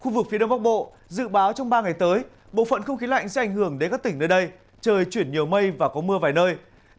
khu vực phía đông bắc bộ dự báo trong ba ngày tới bộ phận không khí lạnh sẽ ảnh hưởng đến các tỉnh nơi đây trời chuyển nhiều mây và có mưa vài nơi